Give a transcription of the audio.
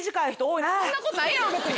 そんなことないやろ別に。